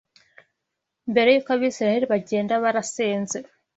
Mbere y’uko Abisirayeli bagenda barasenze